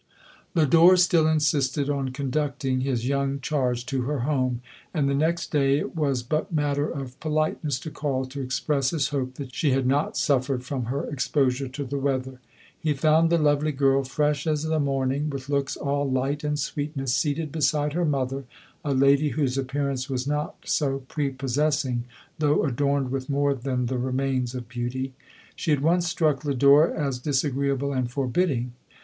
Lodore still insisted on conducting his young charge to her home ; and the next day it was but matter of politeness to call to express his hope that she had not suffered from her expo sure to the weather. He found the lovely girl, fresh as the morning, with looks all light and sweetness, seated beside her mother, a lady whose appearance was not so prepossessing, though adorned with more than the remains of beauty. She at once struck Lodore as dis agreeable and forbidding.